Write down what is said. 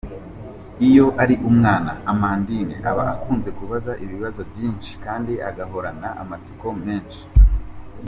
Iyo ari umwana, Amandine aba akunze kubaza ibibazo byinshi kandi agahorana amatsiko menshi.